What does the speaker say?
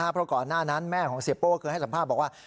เพราะก่อนหน้านั้นแม่ของเสียโป้เคยให้สัมภาษณ์บอกว่า